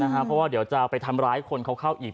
เพราะว่าเดี๋ยวจะไปทำร้ายคนเขาเข้าอีก